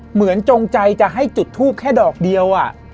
เหมือนจงใจจะให้จุดทูปแค่ดอกเดียวอะ